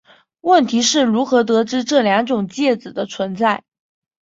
问题是如何得知这两种介子的存在。